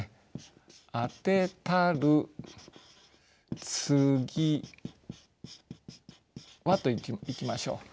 「当てたる継は」といきましょう。